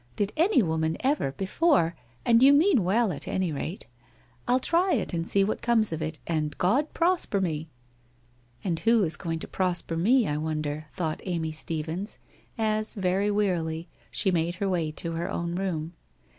Did any woman ever, before? — And you mean well at any rate. I'll try it, and see what comes of it, and God prosper me !' 1 And who is going to prosper me, I wonder ?' thought Amy Stephens, as, very wearily, she made her way to her own room.